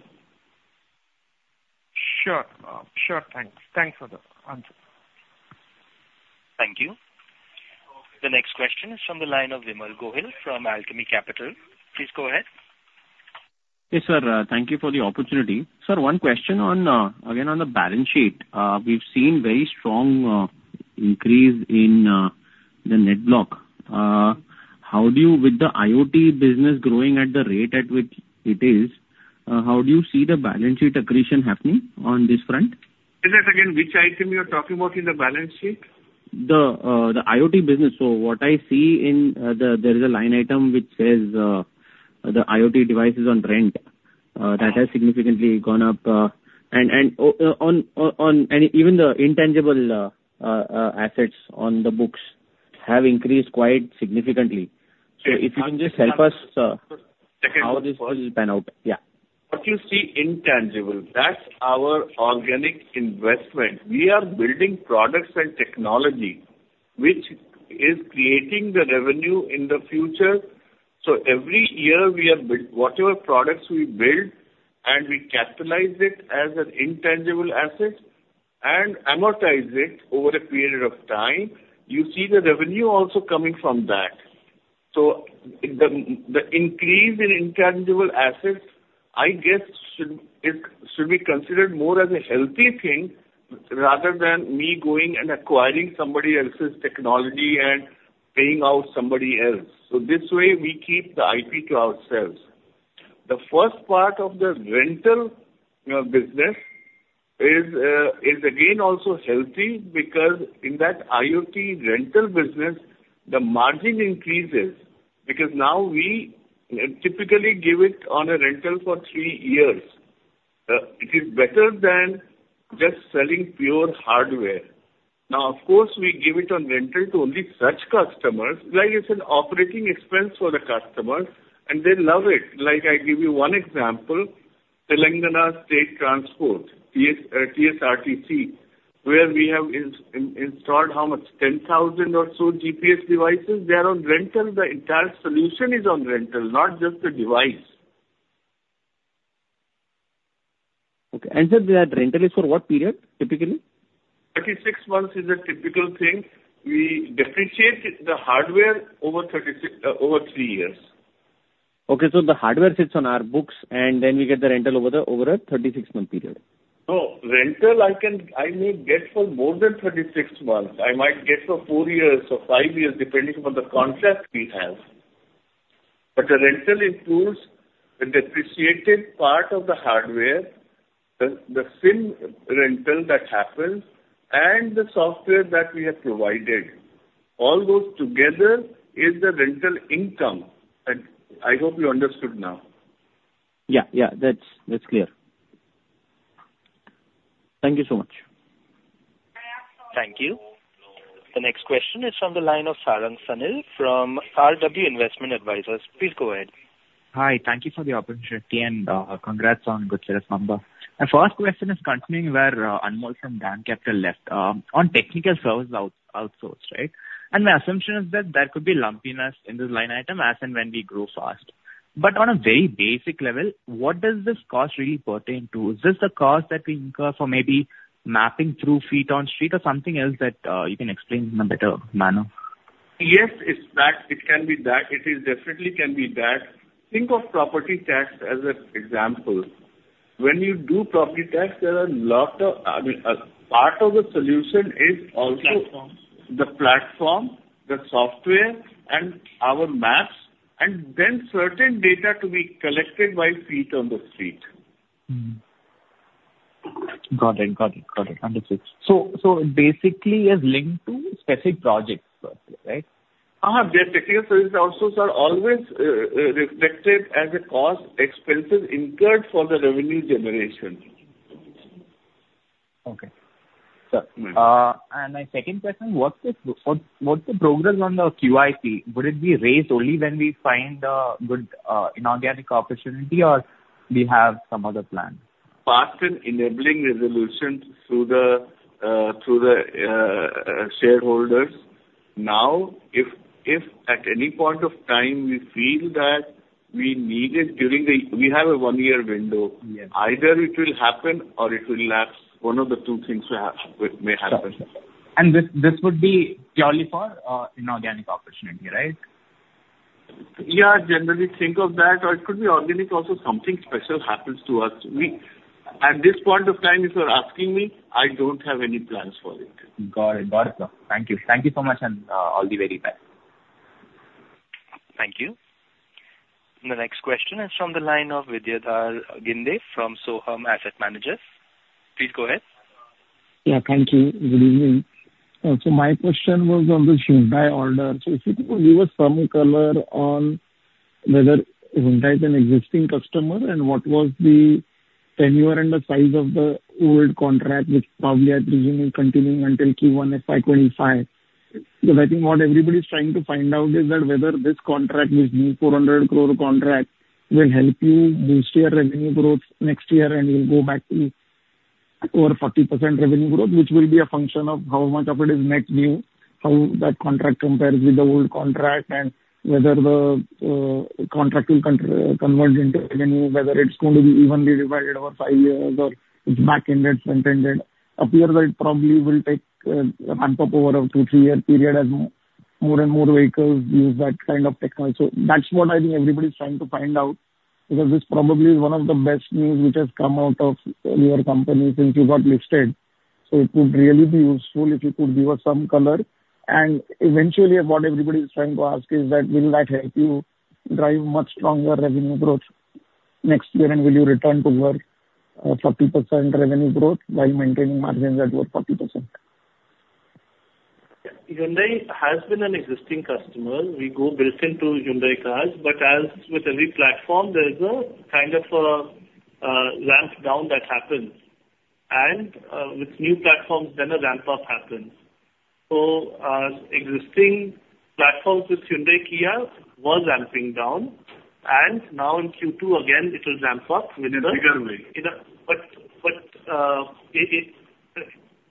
Sure. Sure, thanks. Thanks for the answer. Thank you. The next question is from the line of Vimal Gohil from Alchemy Capital. Please go ahead. Hey, sir. Thank you for the opportunity. Sir, one question on, again, on the balance sheet. We've seen very strong increase in the net block. How do you... With the IoT business growing at the rate at which it is, how do you see the balance sheet accretion happening on this front? Say that again. Which item you are talking about in the balance sheet? The IoT business. So what I see in there is a line item which says the IoT devices on rent that has significantly gone up and even the intangible assets on the books have increased quite significantly. So if you can just- If you can just help us how this will pan out? Yeah. What you see intangible, that's our organic investment. We are building products and technology which is creating the revenue in the future. So every year we have built... Whatever products we build, and we capitalize it as an intangible asset and amortize it over a period of time, you see the revenue also coming from that. So the increase in intangible assets, I guess, should be considered more as a healthy thing, rather than me going and acquiring somebody else's technology and paying out somebody else. So this way, we keep the IP to ourselves. The first part of the rental business is again also healthy, because in that IoT rental business, the margin increases, because now we typically give it on a rental for three years. It is better than just selling pure hardware. Now, of course, we give it on rental to only such customers, like it's an operating expense for the customer, and they love it. Like, I give you one example, Telangana State Transport, TS, TSRTC, where we have installed how much? 10,000 or so GPS devices. They are on rental. The entire solution is on rental, not just the device. Okay. And, sir, that rental is for what period, typically? 36 months is a typical thing. We depreciate the hardware over 36, over three years. Okay, so the hardware sits on our books, and then we get the rental over a 36-month period. No, rental I can. I may get for more than 36 months. I might get for four years or five years, depending upon the contract we have. But the rental includes the depreciated part of the hardware, the same rental that happens and the software that we have provided. All those together is the rental income. I hope you understood now. Yeah, yeah, that's, that's clear. Thank you so much. Thank you. The next question is from the line of Sarang Sanil from RW Investment Advisors. Please go ahead. Hi. Thank you for the opportunity, and, congrats on good sales number. My first question is continuing where, Anmol from DAM Capital left, on technical service outsourced, right? And my assumption is that there could be lumpiness in this line item as and when we grow fast. But on a very basic level, what does this cost really pertain to? Is this the cost that we incur for maybe mapping through feet on street or something else that, you can explain in a better manner? Yes, it's that. It can be that. It is definitely can be that. Think of property tax as an example. When you do property tax, there are a lot of, I mean, part of the solution is also- Platforms... The platform, the software and our maps, and then certain data to be collected by feet on the street. Got it, got it, got it. Understood. So, so basically it is linked to specific projects, right? The technical services outsourcing are always reflected as a cost, expenses incurred for the revenue generation. Okay. Sir, Mm. and my second question: What's the progress on the QIP? Would it be raised only when we find a good inorganic opportunity, or do you have some other plan? Part in enabling the solutions through the shareholders. ...Now, if at any point of time we feel that we need it during the, we have a one-year window. Yes. Either it will happen or it will lapse. One of the two things will happen. It may happen. Sure. And this, this would be purely for inorganic opportunity, right? Yeah, generally think of that, or it could be organic also. Something special happens to us. We-- At this point of time, if you're asking me, I don't have any plans for it. Got it. Got it, sir. Thank you. Thank you so much, and all the very best. Thank you. The next question is from the line of Vidyadhar Ginde from Soham Asset Managers. Please go ahead. Yeah, thank you. Good evening. So my question was on this Hyundai order. So if you could give us some color on whether Hyundai is an existing customer, and what was the tenure and the size of the old contract, which probably I presume is continuing until Q1 FY 2025? Because I think what everybody's trying to find out is that whether this contract, this new 400 crore contract, will help you boost your revenue growth next year, and you'll go back to over 40% revenue growth, which will be a function of how much of it is net new, how that contract compares with the old contract, and whether the contract will converge into revenue, whether it's going to be evenly divided over five years or it's back-ended, front-ended. Appear that it probably will take, a ramp-up over a 2-3-year period as more and more vehicles use that kind of technology. So that's what I think everybody's trying to find out, because this probably is one of the best news which has come out of your company since you got listed. So it would really be useful if you could give us some color. And eventually, what everybody is trying to ask is that, will that help you drive much stronger revenue growth next year? And will you return to your, 40% revenue growth by maintaining margins at over 40%? Hyundai has been an existing customer. We are built into Hyundai cars, but as with every platform, there is a kind of, ramp down that happens. And, with new platforms, then a ramp up happens. So, existing platforms with Hyundai, Kia were ramping down, and now in Q2 again, it will ramp up with the- In a bigger way.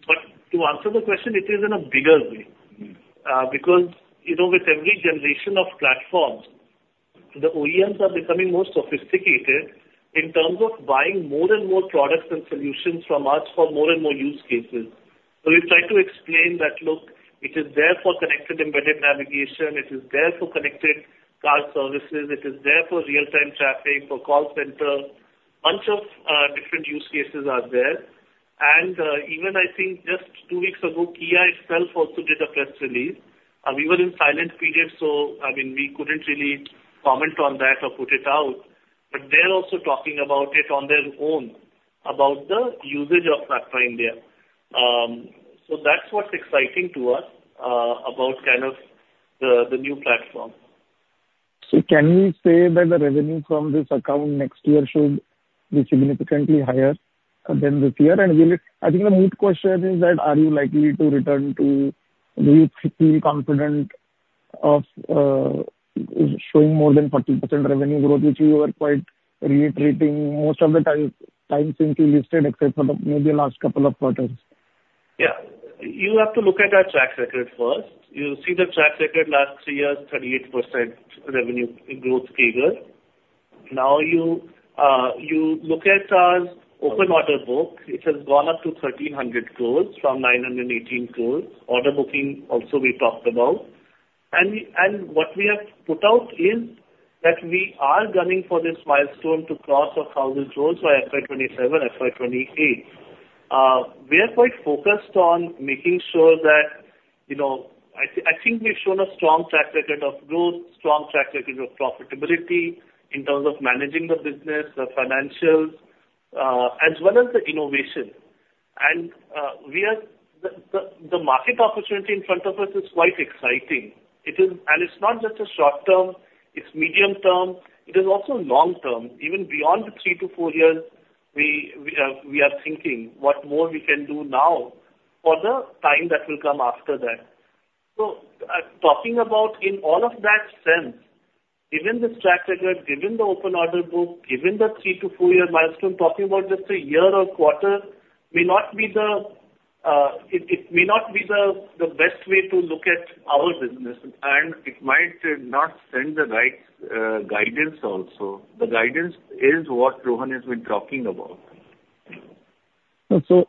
But to answer the question, it is in a bigger way. Mm. Because, you know, with every generation of platforms, the OEMs are becoming more sophisticated in terms of buying more and more products and solutions from us for more and more use cases. So we try to explain that, look, it is there for connected embedded navigation, it is there for connected car services, it is there for real-time tracking, for call center. Bunch of, different use cases are there. And, even I think just two weeks ago, Kia itself also did a press release. We were in silent period, so, I mean, we couldn't really comment on that or put it out, but they're also talking about it on their own, about the usage of Platform India. So that's what's exciting to us, about kind of the, the new platform. So can we say that the revenue from this account next year should be significantly higher than this year? And will it... I think the main question is that, are you likely to return to the 50 confident of showing more than 40% revenue growth, which you were quite reiterating most of the time since you listed, except for the maybe last couple of quarters? Yeah. You have to look at our track record first. You see the track record last three years, 38% revenue growth CAGR. Now you look at our open order book, which has gone up to 1,300 crore from 918 crore. Order booking also we talked about. And what we have put out is that we are gunning for this milestone to cross 1,000 crore by FY 2027, FY 2028. We are quite focused on making sure that, you know, I think we've shown a strong track record of growth, strong track record of profitability in terms of managing the business, the financials, as well as the innovation. And we are... The market opportunity in front of us is quite exciting. It is. And it's not just a short term, it's medium term, it is also long term. Even beyond the 3-4 years, we are thinking what more we can do now for the time that will come after that. So, talking about in all of that sense, given this track record, given the open order book, given the three to four milestone, talking about just a year or quarter may not be the best way to look at our business, and it might not send the right guidance also. The guidance is what Rohan has been talking about. So,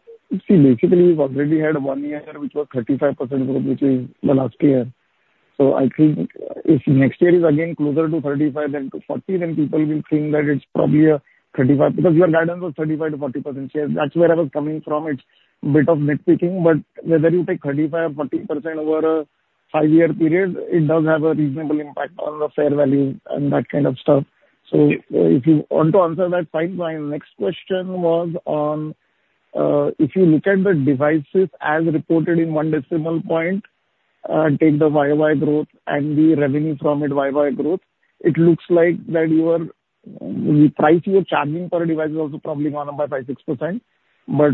see, basically, we've already had one year, which was 35% growth, which is the last year. So I think if next year is again closer to 35 than to 40, then people will think that it's probably a 35, because your guidance was 35-40%. Yeah, that's where I was coming from. It's a bit of nitpicking, but whether you take 35 or 40% over a 5-year period, it does have a reasonable impact on the fair value and that kind of stuff. So if you want to answer that, fine. My next question was on, if you look at the devices as reported in one decimal point, take the YY growth and the revenue from it, YY growth, it looks like that you are, the price you are charging for a device is also probably gone up by 5-6%. But,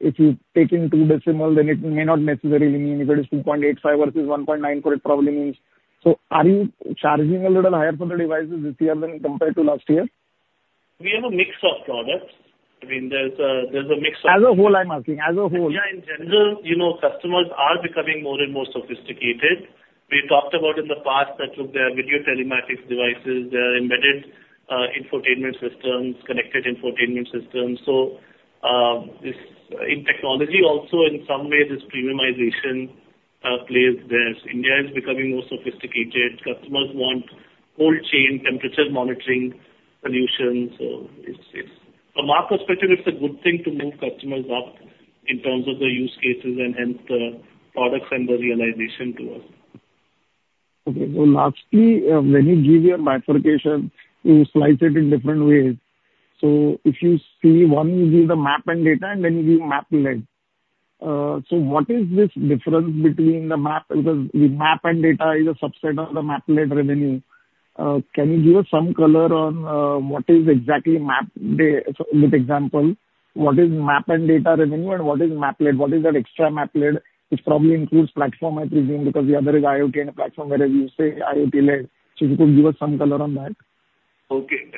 if you take in two decimal, then it may not necessarily mean if it is 2.85 versus 1.94, it probably means... So are you charging a little higher for the devices this year than compared to last year?... We have a mix of products. I mean, there's a mix of- As a whole, I'm asking, as a whole. Yeah, in general, you know, customers are becoming more and more sophisticated. We talked about in the past that with their video telematics devices, their embedded infotainment systems, connected infotainment systems. So, this, in technology also in some way, this premiumization plays there. India is becoming more sophisticated. Customers want cold chain temperature monitoring solutions. So it's, from our perspective, it's a good thing to move customers up in terms of the use cases and hence the products and the realization to us. Okay. So lastly, when you give your bifurcation, you slice it in different ways. So if you see, one is the map and data, and then you give map-led. So what is this difference between the map? Because the map and data is a subset of the map-led revenue. Can you give us some color on, what is exactly map data. So give example, what is map and data revenue and what is map-led? What is that extra map-led, which probably includes platform, I presume, because the other is IoT and platform, where you say IoT-led. So if you could give us some color on that. Okay.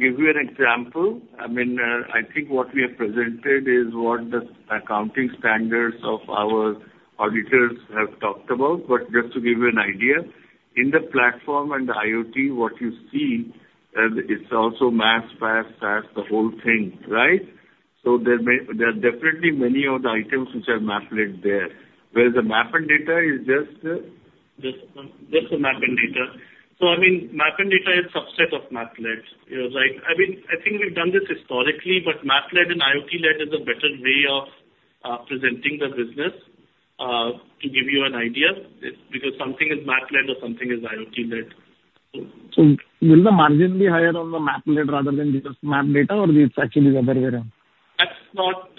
Give you an example. I mean, I think what we have presented is what the accounting standards of our auditors have talked about. But just to give you an idea, in the platform and the IoT, what you see, it's also maps, paths, the whole thing, right? So there are definitely many of the items which are map-led there. Whereas the map and data is just, Just, just the map and data. So I mean, map and data is subset of map-led. You know, like, I mean, I think we've done this historically, but map-led and IoT-led is a better way of presenting the business to give you an idea, it's because something is map-led or something is IoT-led. Will the margin be higher on the map-led rather than just map data, or it's actually the other way around? That's not...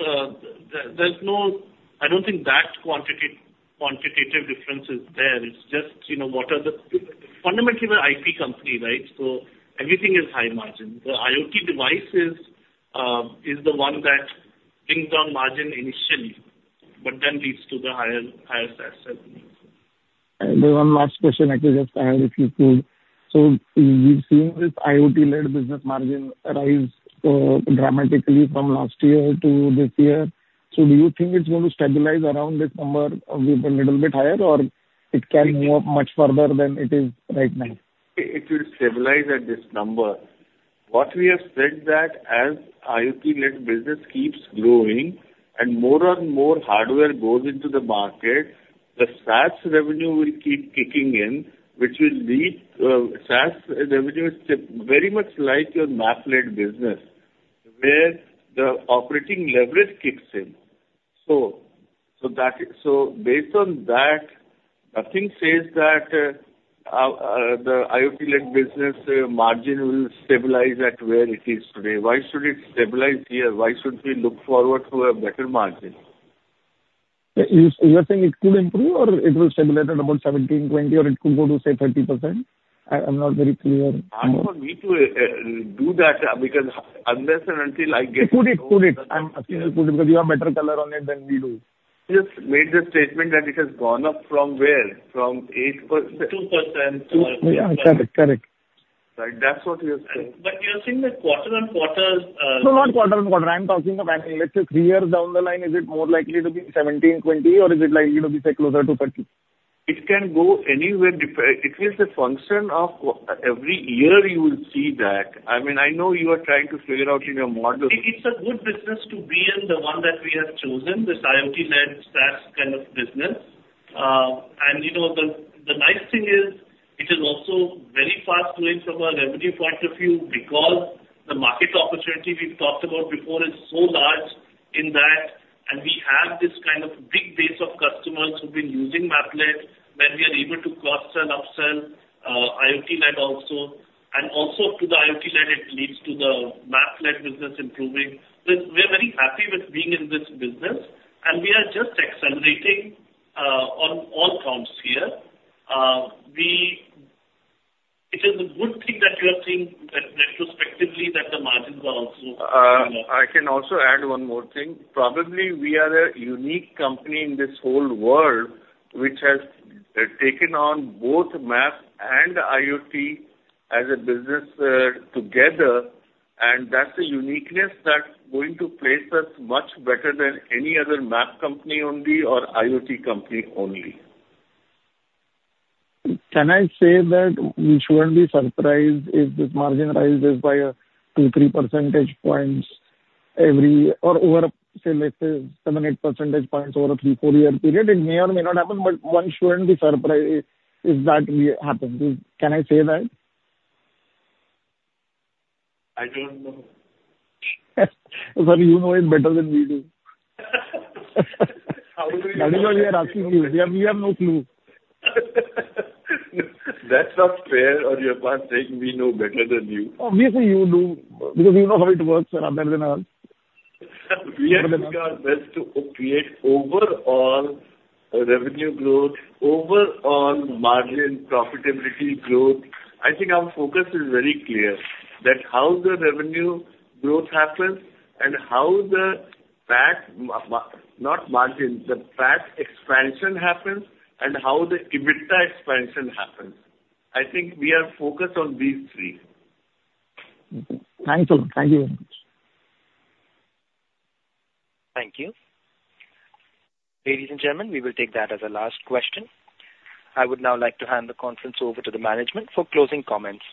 I don't think that quantitative difference is there. It's just, you know, what are the... Fundamentally, we're an IT company, right? So everything is high margin. The IoT devices is the one that brings down margin initially, but then leads to the higher SaaS revenue. There's one last question I could just add, if you could. So you've seen this IoT-led business margin rise dramatically from last year to this year. So do you think it's going to stabilize around this number or be a little bit higher, or it can go up much further than it is right now? It will stabilize at this number. What we have said that as IoT-led business keeps growing and more and more hardware goes into the market, the SaaS revenue will keep kicking in, which will be, SaaS revenue is very much like your map-led business, where the operating leverage kicks in. So, so that, so based on that, nothing says that, the IoT-led business, margin will stabilize at where it is today. Why should it stabilize here? Why should we look forward to a better margin? You are saying it could improve, or it will stabilize at about 17%-20%, or it could go to, say, 30%? I'm not very clear. Hard for me to do that, because unless and until I get- Could it, could it? I'm asking you, could it, because you have better color on it than we do. Just made the statement that it has gone up from where? From eight per- Two percent. Yeah, correct. Correct. Right. That's what we are saying. But you're saying that quarter-over-quarter? No, not quarter-on-quarter. I'm talking of an, let's say, 3 years down the line, is it more likely to be 17, 20, or is it likely to be say closer to 30? It can go anywhere. It is a function of every year you will see that. I mean, I know you are trying to figure out in your model. It's a good business to be in, the one that we have chosen, this IoT-led, SaaS kind of business. And you know, the nice thing is it is also very fast-growing from a revenue point of view because the market opportunity we've talked about before is so large in that, and we have this kind of big base of customers who've been using map-led, then we are able to cross-sell and upsell, IoT-led also. And also, to the IoT-led, it leads to the map-led business improving. So we are very happy with being in this business, and we are just accelerating, on all fronts here. It is a good thing that you are seeing that retrospectively, that the margins are also, going up. I can also add one more thing. Probably, we are a unique company in this whole world which has taken on both map and IoT as a business together, and that's a uniqueness that's going to place us much better than any other map company only or IoT company only. Can I say that we shouldn't be surprised if this margin rises by 2-3 percentage points every or over, say, let's say, 7-8 percentage points over a 3-4-year period? It may or may not happen, but one shouldn't be surprised if that really happens. Can I say that? I don't know. Well, you know it better than we do. How do we know? We are asking you. We have no clue. That's not fair on your part, saying we know better than you. Obviously, you do, because you know how it works rather than us. We have to do our best to create overall revenue growth, overall margin profitability growth. I think our focus is very clear, that how the revenue growth happens and how the PAT, not margin, the PAT expansion happens and how the EBITDA expansion happens. I think we are focused on these three. Thank you. Thank you very much. Thank you. Ladies and gentlemen, we will take that as our last question. I would now like to hand the conference over to the management for closing comments.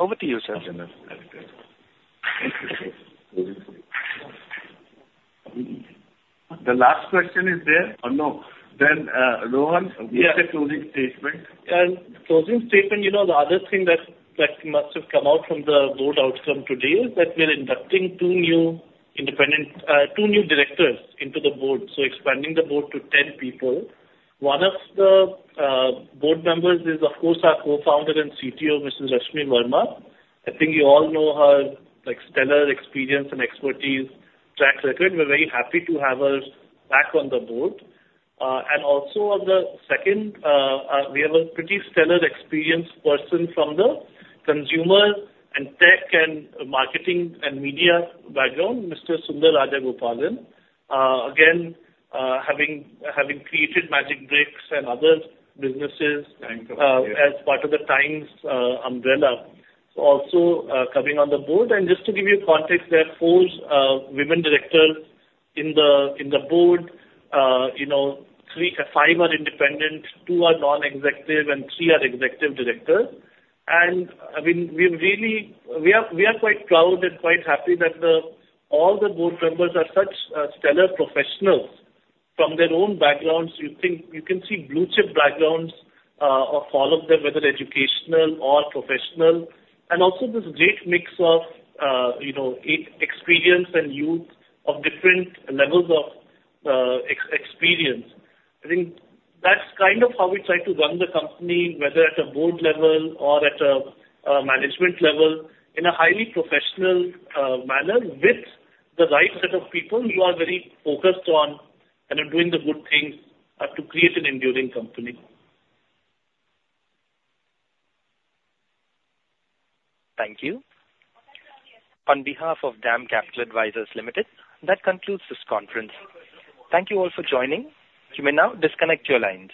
Over to you, sir. The last question is there? Oh, no. Then, Rohan, give the closing statement. And closing statement, you know, the other thing that, that must have come out from the board outcome today is that we are inducting two new independent, two new directors into the board, so expanding the board to 10 people. One of the, board members is, of course, our co-founder and CTO, Mrs. Rashmi Verma. I think you all know her, like, stellar experience and expertise, track record. We're very happy to have her back on the board. And also on the second, we have a pretty stellar experienced person from the consumer and tech and marketing and media background, Mr. Sundar Rajagopalan. Again, having, having created Magicbricks and other businesses- Thank you. As part of the Times umbrella, also coming on the board. And just to give you a context, there are four women directors in the board. You know, three-five are independent, two are non-executive, and three are executive directors. And, I mean, we really, we are, we are quite proud and quite happy that all the board members are such stellar professionals. From their own backgrounds, you can see blue chip backgrounds of all of them, whether educational or professional, and also this great mix of, you know, experience and youth of different levels of experience. I think that's kind of how we try to run the company, whether at a board level or at a management level, in a highly professional manner. With the right set of people, you are very focused on and are doing the good things, to create an enduring company. Thank you. On behalf of DAM Capital Advisors Limited, that concludes this conference. Thank you all for joining. You may now disconnect your lines.